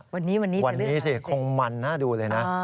วันนี้คงมันน่าดูเลยนะ